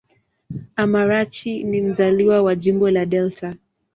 Amarachi ni mzaliwa wa Jimbo la Delta.